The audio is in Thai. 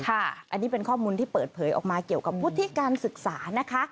อันนี้เป็นข้อมูลที่เปิดเผยออกมาเกี่ยวกับวุฒิการศึกษานะคะ